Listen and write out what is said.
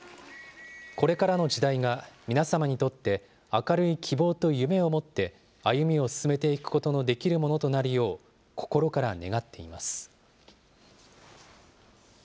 これからの時代が皆様にとって明るい希望と夢を持って歩みを進めていくことのできるものとなるよう、心から願っています。